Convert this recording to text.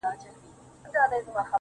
ما ويل څه به ورته گران يمه زه.